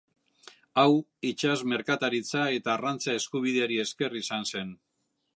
Hau itsas merkataritza eta arrantza eskubideari esker izan zen.